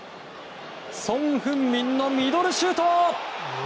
ソン・フンミンのミドルシュート！